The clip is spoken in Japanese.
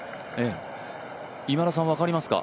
今田さん、分かりますか？